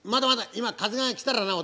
今風が来たらなお